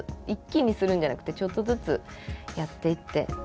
一気にするんじゃなくてちょっとずつやっていって。